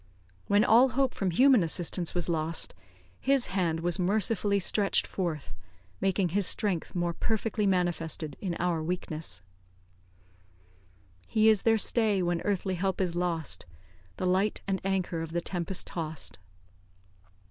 When all hope from human assistance was lost, His hand was mercifully stretched forth, making His strength more perfectly manifested in our weakness: "He is their stay when earthly help is lost, The light and anchor of the tempest toss'd."